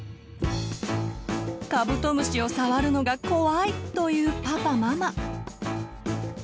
カブトムシを触るのが怖い！というパパママ。